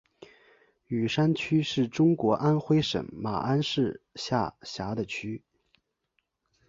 雨山区是中国安徽省马鞍山市下辖的区。